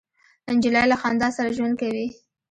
نجلۍ له خندا سره ژوند کوي.